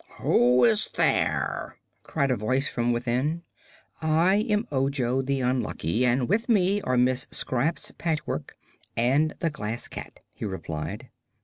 "Who is there?" cried a voice from within. "I am Ojo the Unlucky, and with me are Miss Scraps Patchwork and the Glass Cat," he replied.